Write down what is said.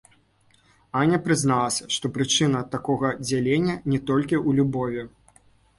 Аня прызналася, што прычына такога дзялення не толькі ў любові.